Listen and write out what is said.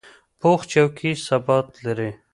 پوخ چوکۍ ثبات لري